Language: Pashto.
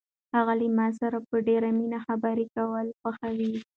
هغه له ما سره په ډېرې مینه خبرې کول خوښوي.